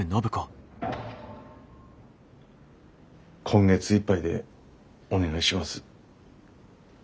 今月いっぱいでお願いします。